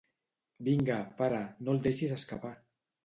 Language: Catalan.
Vinga, pare, no el deixis escapar!